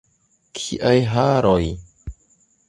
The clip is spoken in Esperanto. Kiaj haroj!